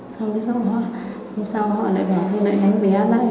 xong rồi họ lại bảo thôi lại đánh bé ra để chuyển sang con khác này thôi